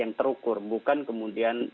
yang terukur bukan kemudian